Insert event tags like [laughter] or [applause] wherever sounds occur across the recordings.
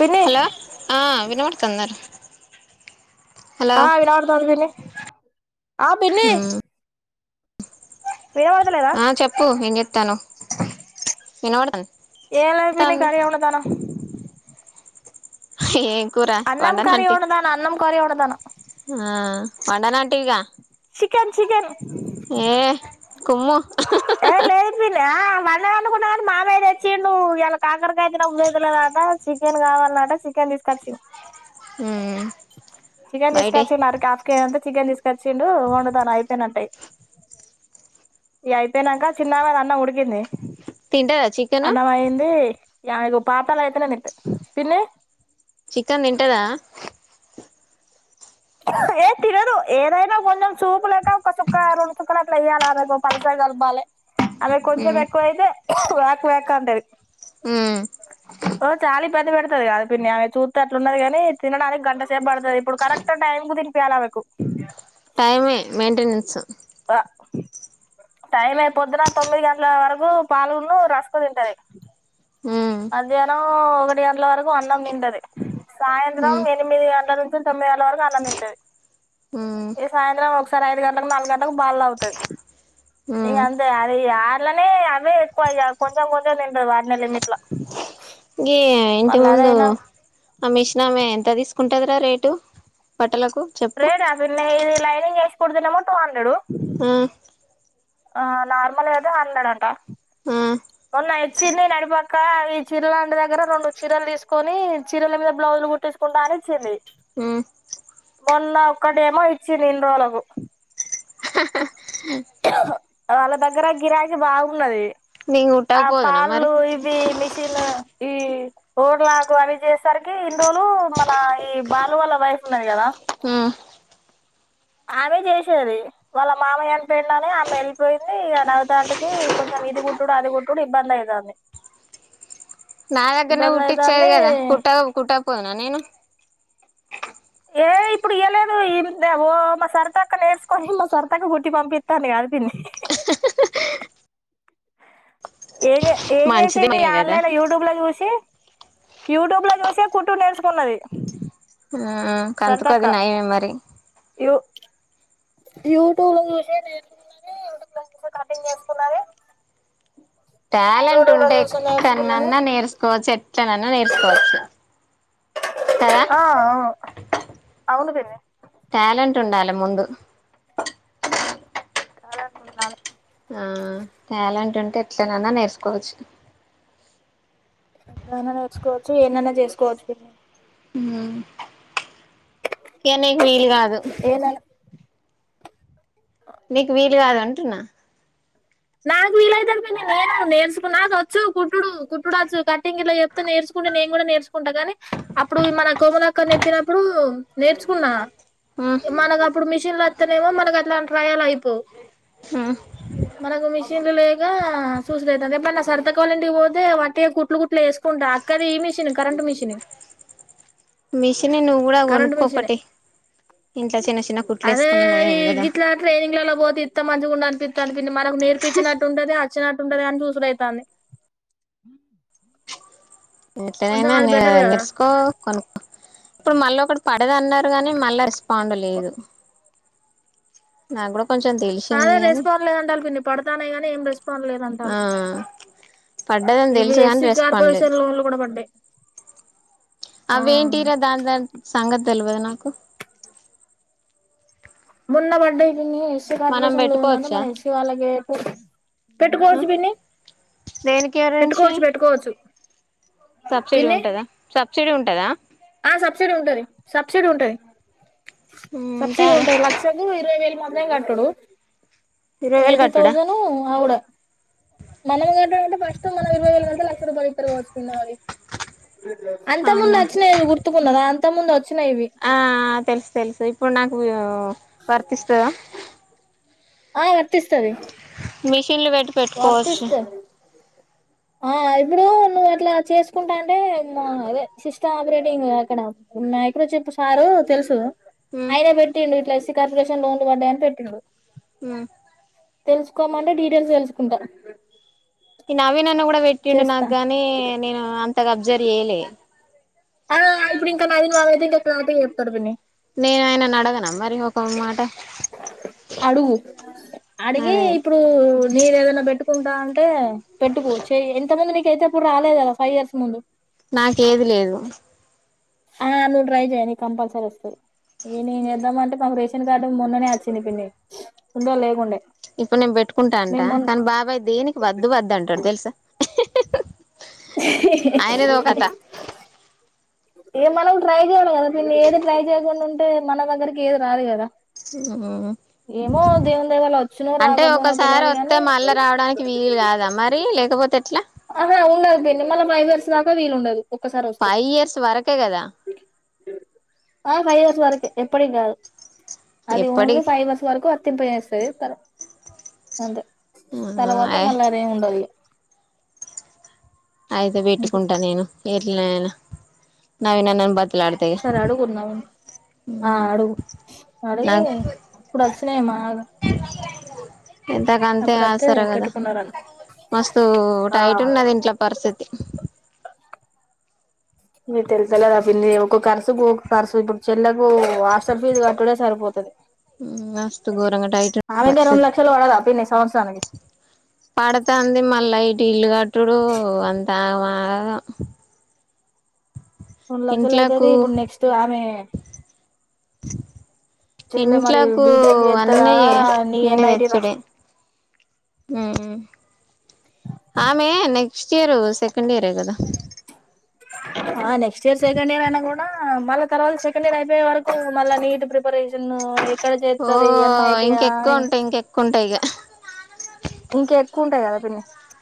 పిన్ని హలో హ వినవాడుతాందారా ఆ వినవడుతది పిన్ని ఆ పిన్ని ఉమ్, వినబడతలేదా ఆ చెప్పు ఏం చెత్ తను ఇనవడుతన్ ఏం లే పిన్ని కర్రీ వండుతాన హె అన్నం కర్రీ వండుతనా అన్నం కర్రీ వండుతనా ఆ వండ అంటివి గా చికెన్ చికెను ఏ కుమ్ము నే అండుకున్న గాని మామయ్య తెచ్చిడు ఇయ్యల కాకరకాయ తినబుద్ది అయితలే అట చికెన్ కావాలన్నట చికెన్ తీసుకచ్చు ఈయూ ఉమ్, చికెన్ బయటే తీసుకొచ్చి మరి కాకరకాయ వద్దు చికెన్ తీసుకొచ్చిండు వండుతాన అయిపోయినటే ఇగా అయిపోయినాక చిన్న ఆమెది అన్నం ఉడికింది తింటారా చికెను. యా ఇగో పాప్డాలైతే నే తింటా పిన్ని. చికెన్ తింటదా. ఏ తినదు, ఏదైనా కొంచెం సుపు లెక్క ఒక చుక్క, రెండు చుక్కలు, అట్లా ఎయ్యాల రేపు పలసాగా కలపాలే. అదే కొంచెం ఉమ్, ఎక్కువైతే. వ్యాక్ వ్యాక్అంటాది. హుమ్మ్. ఓ చాలీ ఇబ్బంది పెడతాది కాదు పిన్ని, ఆమె చూస్తే అట్లున్నది కాని తినడానికి గంట సేప్ పడ్తాడి. ఇప్పుడు కరెక్ట్ టైం కు తినిపియాలి ఆమెకు. టైమే మెయింటెనెన్స్. టా టైమే పొద్దున తొమ్మిది గంటల వరకు పాలున్ను రస్కు తింటాది. ఉమ్, మధ్యాహ్నం ఒకటి గంటల వరకు అన్నం తింటాది, సాయంత్రం ఉమ్, ఎనిమిది గంటల నుంచి తొమ్మిది గంటల వరకు అన్నం తింటాది. ఉమ్, ఇగ సాయంత్రం ఒకసారి ఐదు గంటలకు, నాలుగు గంటలకు పాల్ తాగుతాది. ఇగ ఉమ్. అంతే అది ఆర్లనే అవే ఎక్కువ ఇగ, కొంచెం కొంచెం తింటాది వాటినే లిమిట్ల. గీమే ఇంటి ముందు ఆ మిషినామే ఎంత తీస్క్. ఉంటదిరా రేటు బట్టలకు. చెప్పు రేటా పిన్నీ ఇది లైనింగ్ ఏస్. కుడితేనేమో టు హండ్రెడు. ఉమ్. ఆ నార్మల్ గా అయితే హండ్రెడ్ అంట. ఉమ్, కొన్నా [unintelligible] చిన్ని నడిపక్క ఈ చీరలాంటి దగ్గర, రెండు చీరలు తీసుకొని, చీరల మీద బ్లౌజులు కుట్టిసుకుంటా అని ఇచ్చింది. ఉమ్. మొన్న ఒక్కటేమో ఇచ్చింది ఇన్ని రోజులకు. వాళ్ళ దగ్గర గిరైకి బాగున్నది. నేను ఆ కుట్టకపోదునా మరి పాళ్ళు ఇవి మిషిన్. ఈ రోడ్లాకు అవి చేేసేసరికి ఇన్రోళ్ళు మన ఈ బాలు వాళ్ళ వైఫ్ ఉన్నది కదా. హుమ్మ్. ఆమె చేసేది వాళ్ళ మామయ్యని పెండాని ఆమె ఎళ్ళిపోయింది ఇగ నవితాంటికి కొంచెం ఇది కుట్టుడు అది కుట్టుడు ఇబ్బంది అయితంది. నాదగ్గరనే కుట్టిచ్చేది కదా, కుట్టక కుట్టకపోదునా నేను. ఏ ఇప్పుడు ఇయ్య లేదు, ఇన్ దే ఓ మా సరీతక్క నేర్చుకొని, మా సరితక్క కుట్టి పంపిత్తందీ కాద్ పిన్ని. ఎన్జే మంచిదే ఏంజేసింది కదా ఆన్లైన్ లా యూట్యూబ్ లా జూసి. యూట్యూబ్ లా జూసే కుట్టుడు నేర్చుకున్నది. ఉమ్ సరతక్క కంతుకది నయమే మరి. యూ యూట్యూబ్ లో జూసే నేర్చుకున్నది. యూట్యూబ్ లో జూసే కటింగ్ నేర్చున్నది. టాలెంట్ ఉంటే ఎక్కడ్నన్నా నేర్చుకోవచ్చు ఎట్లనన్నా నేర్చుకోవచ్చు కదా. ఆ, అవును అవును పన్ని. టూన్డాలే ముందు. టాలెంట్ ఉండాలే. ఉమ్ టాలెంట్ ఉంటే ఎట్లనన్నా నేర్చుకోవచ్చు. ఎట్లనన్నా నేర్చుకోవచ్చు ఏడ్నాన్న చేసుకోవచ్చు పిన్ని. హుమ్. ఇగ నీకు వీలు కాదు. ఏదైనా నీకు వీలు కాద అంటున్నా నాకు వీలయితది. గాని నేను నేర్చుకున్నా నాకు వోచ్చు కుట్డుడు కుట్టుడు ఆచ్చు కట్టింగ్ ఇట్లా చెప్తే నేర్చుకుంటే నేను కూడా నేర్చుకుంటా గానీ అప్పుడు మన కోమలక్క నేర్పిచ్చినప్పుడు నేర్చుకున్నా ఉమ్ మనకు అప్పుడు మిషన్లు అత్తనేమో మనకు అట్లాంటి ట్రయాలు అయిపోవు ఉమ్ మనకు మిషన్లు లేక చూసూడు అయితంది ఎప్పుడన్న సారితక్క వాలింటికి పోతే వాట్టిగా కుట్లు కుట్లు వేసుకుంటా అక్కది ఈ మిషిన్ కరెంట్ మిషిన్ మిషనీ నువ్వు కూడా కొనుక్కో ఓకటి ఇంట్ల చిన్న చిన్న కుట్లు అదే ఏసుకుంది ఈ నయం గాదా గిట్లా ట్రైనింగ్లలో పోతే ఇంత మంచిగా ఉండు అనిపిత్తంది మనకు నేర్పించినట్టుంటది ఆ అచ్చినాట్టు ఉంటది. గాని చూసూడు ఆయితంది ఎట్నైనా నే కదా నేర్సుకో కొను ఇప్పుడు మళ్ళీ ఒకటి పడది అన్నారు గానీ మళ్ళా రెస్పాండ్ లేదు. నాకు కూడా కొంచెం అదే తెలిసింది అని రెస్పాండ్ లేదంటారు పిన్ని పడుతున్నాయి గాని ఏం రేస్ పాండ్ లేదంటారు. ఆ పడ్డదని ఇవి తెలుసు కాని ఎస్సీ రెస్పాండ్ లేదు కార్పొరేషన్ లోన్లు కూడా పడ్డాయి. ఆ అవి ఏంటియి రా దా దాని సంగతి తెలవది నాకు మొన్న పడ్డయి పిన్ని ఎస్సీ మనం కార్పొరేషన్ లోన్ అంటే పెట్టుకోవచ్చా మన ఎస్సీ వాళ్ళకే పెట్టుకోవచ్చు పిన్ని దేనికి గురించి పెట్టుకోవచ్చు పెట్టుకోవచ్చు. సబ్సిడీ పిన్ని ఉంటదా సబ్సిడీ ఉం టదా ఆ సబ్సిడీ ఉంటది సబ్సిడీ ఉంటది ఉంటా సబ్సిడీ ఉంటది లక్షకు ఇరవై వేలు మం దే కట్టుడు ఇరవై వేలు ఎయిటీ కట్టుడా తౌసండ్ అవుడే మనం గట్టుడంటే ఫస్ట్ మనం ఇరవై వేలు కడితే లక్ష రూపాయలు ఇత్ రోజుకుండాలి అంత ముందు అవునా ఆత్ తే గుర్తుకున్నదా అంత ముందు వ ఆ తెలుసు తెలుసు ఇప్పుడు నాకూ వు వర్తిస్తదా ఆ వర్తిస్తది మీ ఇల్లు వేట్టి పెట్టుకోవచ్చు వర్తిస్తే ఆ ఇప్పుడు నువు అట్లా చేసుకుంటా అంటే మా అదే సిస్టమ్ ఆపరేటింగ్ అక్కడ నాయకుడ చెప్పు సారు తెలుసు ఆయన పెట్టుకోవచ్చు పెట్టిండు ఇట్ల ఎస్సీ కార్పోరేషన్ లోన్ లు పడ్డయనీ పెట్టిండు హ్మ్ తెలుసుకోమంటే డిటేయిల్స్ తెలుసు కుంట నవీనన్న కూడ పెట్టిండు నాకు గానీ నేను అం తగా అబ్జరి చెయలే ఆ ఇప్పుడు ఇంకా నవీన్ మామైతే ఇంక క్లారిటీ గా చెప్తడు పిన్ని నేను ఆయనను అడగనా మరి ఒక మాట అడుగు అడిగీ అదే ఇప్పుడు నీది ఏదైనా పెట్టుకుంటా అం టే పెట్టుకోవచ్చు ఎంత మంది నీ కైతే ఎప్పుడు రాలేదు కదా ఫైవ్ ఇయర్స్ ముందు నాకేది లేదు ఆ నువ్వు ట్రై చేయ్ కంపల్సరీ వస్తాయి నేనేం ఏం వేద్దామంటే పమరే న్ కార్డు మొన్ననే వచ్చింది పిన్ని ఉండ లేకుండే ఇప్పుడు నేను పెట్టుకుంటా అంటా మేము మొన్ కానీ బాబాయ్ దేనికి వద్దు వద్ద అంటాడు తెలుసా ఆయనదో కథ [unintelligible] ఏ మనం ట్రై చేయాలి కదా పిన్ని ఏది ట్రై చేయకుండా ఉంటే మన దగ్గరికి ఏది రాదు కదా ఏమో దేవుని దయ వల్ల వచ్చునో అంటే రాకపోనో ఒకసారి తెలవదు వస్తే గాని మళ్ళా రావడానికి వీలు కాదా మరి లేకపోతే ఎట్లా ఆహా ఉండదు పిన్ని మళ్ళీ ఫైవ్ ఇయర్స్ దాకా వీలు ఉండదు ఒక్కసారి వస్తే ఫైవ్ ఇయర్స్ వరకే కదా ఆ ఫైవ్ ఇయర్స్ వరకే ఎప్పటికి కాదు అది ఎప్పటి ఓన్లీ ఫైవ్ర్స్ వరకు ప పస తర అంతే తర్వాత మళ్ళ అదేమి ఉండదు ఇగ అయితే అంతే పెటుకుంటా నేను ఏ నేనా నాయి నిన్న బాతిక్ ఒకసారి అడుగు ఉన్నవో, ఆ అడుగు అడిగి నాకు అప్పుడు వచ్చినాయి మాగా ఇంతా కంటే అప్పుడైతే ఆసరా కదా పెట్టుకున్నారని మస్తు ఆ టైట్ ఉన్నది ఇ మీ తెలుసో లేదో పిన్ని ఒక కార్ ఖర్చు ఇప్పుడు చెల్లకు హాస్టల్ ఫీజు కట్టుడే సరిపోతది, మస్తు ఘోరంగా టైట్ ఆమెకె రెండు పరిస్థితి లక్షలు పడదా పిన్ని సంవత్సరానికి పడతాంది తావాహ్ రెండు లక్షలు అయితది ఇప్పుడు నెక్స్ట్ ఆమె చెల్లె మరి ఇంట్లకు బీటెక్ చేత్తదా అన్నీ నీ అన్నీ ఎన్ ఐ టి తెచ్చుడే రాస్త. ఉమ్ ఆమె నెక్స్ట్ ఇయర్ సెకండ్ ఇయర్ ఎ గదా ఆ నెక్స్ట్ ఇయర్ సెకండ్ ఇయర్ అయినా కూడా, మళ్ళా తర్వాత సెకండ్ ఇయర్ అయిపోయే వరకు మళ్ళ నీట్ ప్రిపరేషను అ ఓ ఇంకెక్కువ ఉంటాయ్ ఇంకెక్కుంటాయ్ ఇగ ఇంకా ఎక్కువ ఉంటా కదా పిన్ని ప్చ్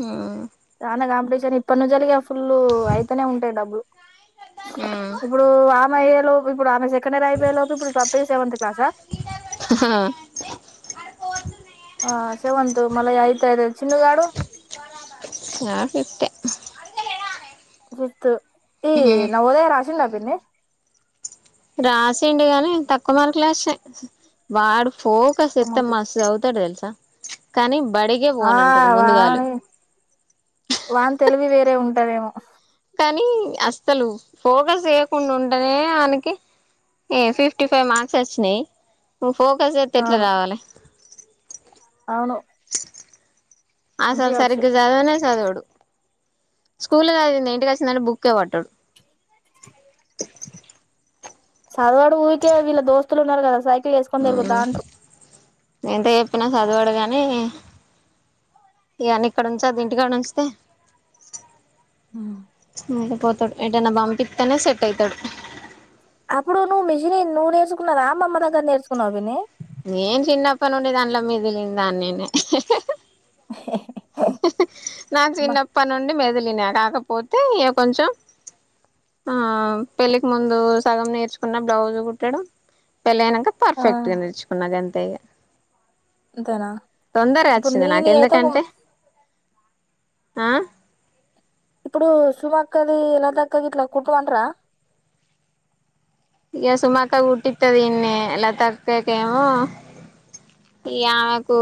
హ్మ్ చానా కాంపిటీషన్ ఇప్పటి నుంచెలిగ ఫుల్లు అయితేనే ఉంటాయ్ డబ్బులు ఉమ్ ఇప్పుడు ఆప్ అయ్యేలోపు ఇప్పుడు ఆమె సె కండియర్ అయిపోయే లోపు ఇప్పుడు పప్పి సెవెంత్ క్లాసా ఆ సెవెంతు మల ఆయితాది ఆ ఫిఫ్తే హ్ అదేకదానే ఫిప్తు ఈ నవోదయ రాశిండా విన్నీ రాసిండి గానీ తక్కువ మార్కులే వచ్చినాయ్ వాడు ఫోకస్ ఒక్క ఎత్తే ముడుపు మస్త్ చదువుతాడు తెల్సా కానీం ఆ వాని వాన్ తెలివి వేరే ఉం దేమో కానీ అసలు ఫోకస్ చేయకుండా ఉంటనే ఆయనకి, ఏ ఫిఫ్టీ ఫైవ్ మార్క్స్ వచ్చినాయి ఫోకస్ చేస్తతే ఎట్లా అవును రావాలి అవును ఆసలు మంచిగా వచ్చు సరిగ్గా చదవనే చదవుడు స్కూల్దింది అంట కా బుక్ పట్టడు చదవాడు ఊరికే వీళ్ళ దోస్తులు ఉన్నారు కదా సై వేస్కొని తిరుగతండ్రు నేంత చెప్పినా చదువాడు గాని ఇవన్న ఇక్కడ ఉంచది ఇంటికాడ ఉంచితే మ పత్త ఏటన్నా పంపిత్తనే సెట్ అయితడు అప్పుడు నువ్వు మిషిని నువ్ నేర్చుకున్నదా అమ్మమ్మ దగ్గర నేర్చుకువ పిన్ని నేను చిన్నప్ప నుండి దాంట్లో మిదిలిన దాన్నేనాయె [inaudible] నా అమ్మ చిన్నప్పటి నుండి మెదిలి కాకపోతే ఇక కొంచెం ఆ పెళ్ళికి ముందు సగం నేర్చుకున్న బ్లౌజ్ కుట్టడం పెళ్ళనంక ఆ పర్ఫెక్ట్ గా నర్చుకున్న అది అంతే గా అంతేనా తొందరగా ఇప్పుడు వచ్చింది నాకు నీని అయితే ఎందుకంటే ఆ ఇప్పుడు సుమక్కది లతక్కది ఇట్లా కుంటూ మంటార ఇక సుమక్కగా కుట్టిత్తది ఇన్నే లతక్కకేమో ఇగ ఆమెకు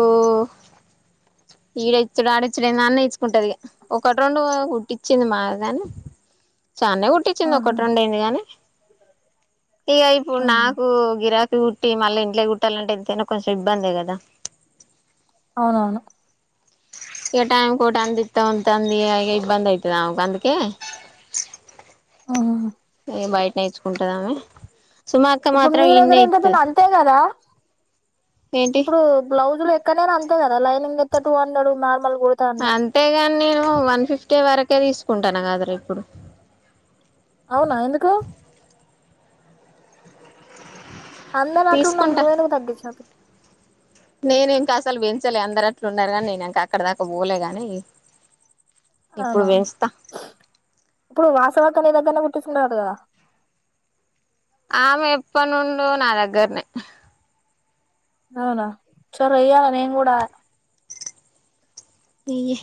ఈడ ఇచ్చడు ఆడ ఇచ్చడు ఏ నాన్న ఇచ్చుకుంటది ఒకటి రెండు కుట్టించిింది మాగా కాని చాన్నే కు కుట్టించిింది ఆహా ఒకటి రెండు ఎందిగాని ఇగ ఇప్పుడు ఆహా నాకు గిరాక కుట్టి మళ్ళీ ఇంట్లయి కుట్టాలంటే ఎంతైనా కొంచెం ఇబ్బందే కదా అవునవును ఇగ టైమ్ కి ఓటి అందింత ఓటి అందియ్య ఇగ ఇబ్బంద అయితది ఆమెకు అందుకే ఆహాహా బయట ఇచ్చుకుంటాదమే ఇప్పుడు నీ దగ్గర ఎంత పిన్ని అంతే కదా ఏంటి ఇప్పుడు బ్లౌజ్ ఎక్కన్నైనా అంతే కదా లైనింగ్ ఎత్తే టూ హండ్రెడ్ నార్ అంతేగాని నేను వన్ ఫిఫ్టీ వరకే తీసుకు కుంటాను కాద్ర ఇప్పుడు అవునా ఎందుకు అందర్ అట్లున్నపుడు తీసుకుంటా నువ్వు ఎందుకు తగ్గించిన వ్ పి నేను ఇంకా అసలు పెంచలే అందరట్లు ఉన్నారు కాని నేను ఇంకా అక్కడ దాకా పోలే గాని ఇప్పుడు అవునా పెంచుతా ఇప్పుడు వాసవ క్క నీదగ్గరనే కుట్టిచ్చుకుంటాదట గ ఆమె ఎప్పనుండో నా దగ్గర్నే అవునా చో రయ్య నేం కూడా ఇయ్యి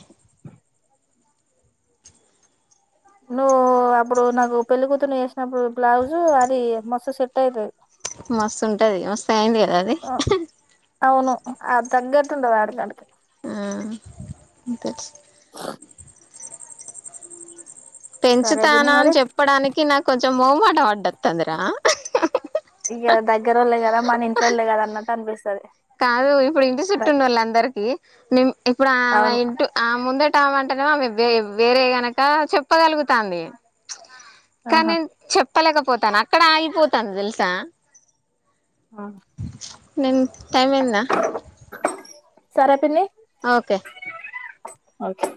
నువ్వు అప్పుడు నాకు పెళ్ళి కూతురు ని చేసినప్పుడు బ్లౌజు అది మస్తు సెట్ అయితది మస్తు ఉంటది మస్త అయింది కదా అది ఆ అవును అ తగ్గట్టుంటది ఆడికాడికి ఆ ఇంకా సరే పెంచుతాన పిన్ని అని మరి చెప్పడానికి నాకు కొంచ మౌమాట అదువతంధిరా ఇక దగ్గరోళ్ళే కదా మన ఇంట్లోళ్ళే కదా అన్నట్టు అనిపిస్తది కాదు ఇప్పుడు ఇంటి చుట్టూ ఉండ వాళ్ళ అందరికి ఇప్పుడు ఆమె అవును ఇంటి ఆమె ముంద టామంటేనే [unintelligible] వేరే గనక చెప్పగలుగుతాంది ఆహా కానీ చెప్ చెప్పలేకపోతాను అక్కడ ఆగిపోతాను తెలుసా ఆ నేను టైమ్ అయిందా సరే పిన్ని ఓకే ఓకే